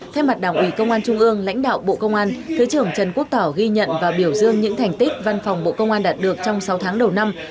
thay mặt đảng ủy công an trung ương lãnh đạo bộ công an thứ trưởng trần quốc tỏ ghi nhận và biểu dương những thành tích văn phòng bộ công an đạt được trong sáu tháng đầu năm